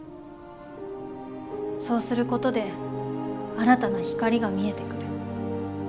そうすることで新たな光が見えてくる。